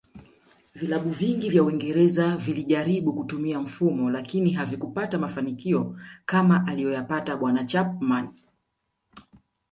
Vilabu vingi vya uingereza vilijaribu kutumia mfumo lakini havikupata mafanikio kama aliyoyapata bwana Chapman